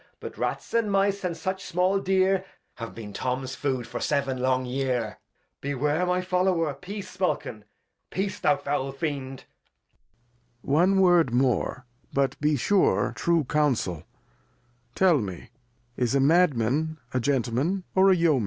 But Rats and Mice, and such small Deer, Have been Tom's Food for seven long Year. Beware, my Follower ; Peace, Smulkin, Peace, thou foul Fiend. Lear. One Word more, but be sure true Councel ; tell me, is a Madman a Gentleman, or a Yeoman